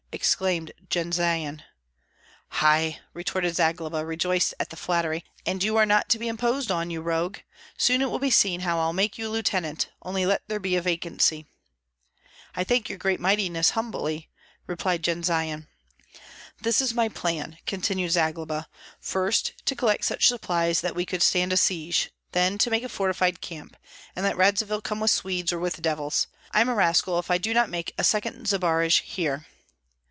exclaimed Jendzian. "Hei!" retorted Zagloba, rejoiced at the flattery, "and you are not to be imposed on, you rogue! Soon it will be seen how I'll make you lieutenant, only let there be a vacancy." "I thank your great mightiness humbly," replied Jendzian. "This is my plan," continued Zagloba: "first to collect such supplies that we could stand a siege, then to make a fortified camp, and let Radzivill come with Swedes or with devils. I'm a rascal if I do not make a second Zbaraj here!"